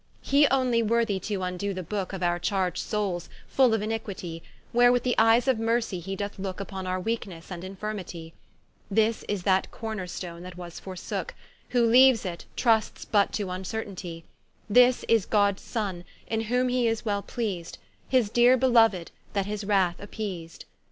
He onely worthy to vndoe the Booke Of our charg'd soules, full of iniquitie, Where with the eyes of mercy he doth looke Vpon our weaknesse and infirmitie; This is that corner stone that was forsooke, Who leaues it, trusts but to vncertaintie: This is Gods Sonne, in whom he is well pleased, His deere beloued, that his wrath appeased.